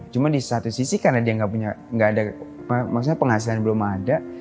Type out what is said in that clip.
cuma di satu sisi karena dia nggak ada maksudnya penghasilan belum ada